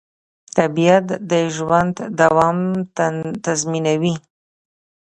طبیعت د ژوند دوام تضمینوي